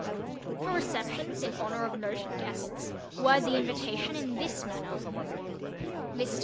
For receptions in honor of noted guests, word the invitation in this manner: MR.